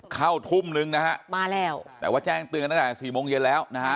เข้าทุ่มนึงนะฮะมาแล้วแต่ว่าแจ้งเตือนตั้งแต่สี่โมงเย็นแล้วนะฮะ